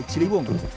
di sepanjang tahun